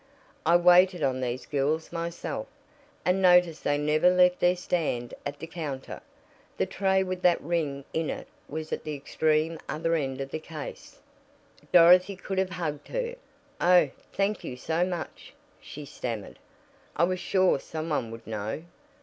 I waited on these girls myself, and noticed they never left their stand at the counter. The tray with that ring in it was at the extreme other end of the case." Dorothy could have hugged her. "Oh, thank you so much!" she stammered. "I was sure some one would know."